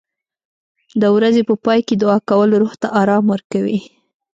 د ورځې په پای کې دعا کول روح ته آرام ورکوي.